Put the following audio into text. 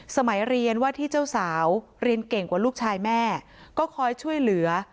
สมัยเรียนว่าที่เจ้าสาวเรียนเก่งกว่าลูกชายแม่ก็คอยช่วยเหลือ